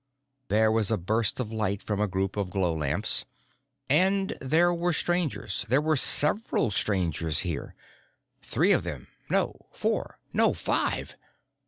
There was a burst of light from a group of glow lamps. And there were Strangers, there were several Strangers here. Three of them no, four no, five!